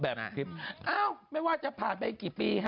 คลิปอ้าวไม่ว่าจะผ่านไปกี่ปีฮะ